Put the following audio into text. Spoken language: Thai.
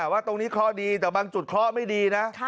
ว่าตรงนี้เคราะห์ดีแต่บางจุดเคราะห์ไม่ดีนะ